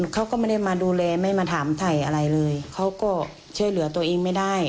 เขาก็ไม่ได้มาดูแลไม่มาถามถ่ายอะไรเลยเขาก็ช่วยเหลือตัวเองไม่ได้